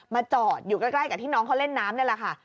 จอดอยู่ใกล้กับที่น้องเขาเล่นน้ำนี่แหละค่ะ